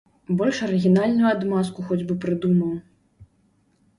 Больш арыгінальную адмазку хоць бы прыдумаў.